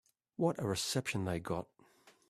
What a reception they got.